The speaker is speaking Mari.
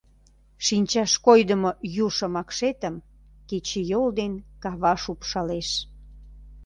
Шинчаш койдымо ю шымакшетым кечыйол ден кава шупшалеш.